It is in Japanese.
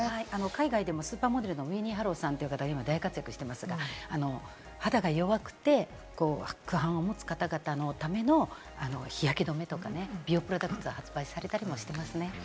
海外でもスーパーモデルのウィニー・ハーロウさんが大活躍していますが、肌が弱くて白斑を持つ方々のための日焼け止めとかね、美容プロダクツを発売されたりしてますね。